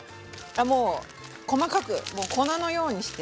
もう細かくもう粉のようにして。